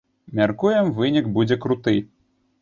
Мяркуем, вынік будзе круты.